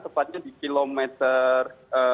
tepatnya di kilometer sepuluh